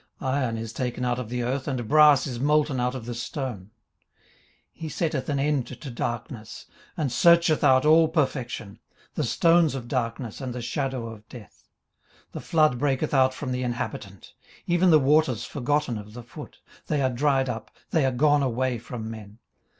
18:028:002 Iron is taken out of the earth, and brass is molten out of the stone. 18:028:003 He setteth an end to darkness, and searcheth out all perfection: the stones of darkness, and the shadow of death. 18:028:004 The flood breaketh out from the inhabitant; even the waters forgotten of the foot: they are dried up, they are gone away from men.